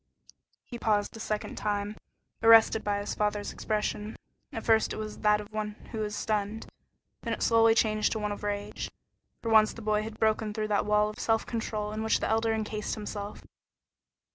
He paused a second time, arrested by his father's expression. At first it was that of one who is stunned, then it slowly changed to one of rage. For once the boy had broken through that wall of self control in which the Elder encased himself.